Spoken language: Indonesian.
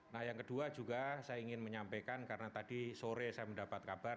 nah yang kedua juga saya ingin menyampaikan karena tadi sore saya mendapat kabar